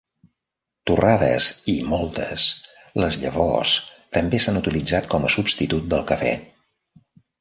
Torrades i moltes, les llavors també s'han utilitzat com a substitut del cafè.